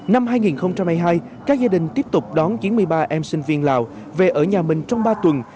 năm hai nghìn hai mươi hai các gia đình tiếp tục đón chín mươi ba em sinh viên lào về ở nhà mình trong ba tuần